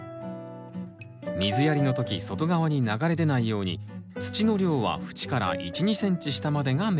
水やりの時外側に流れ出ないように土の量は縁から１２ｃｍ下までが目安。